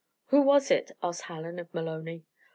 "Who was it?" asked Hallen of Maloney.